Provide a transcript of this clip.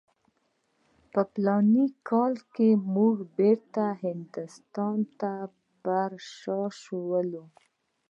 په فلاني کال کې موږ بیرته هند ته پر شا شولو.